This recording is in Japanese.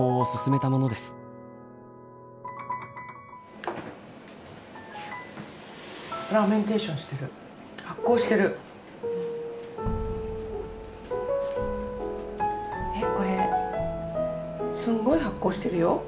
えこれすんごい発酵してるよ！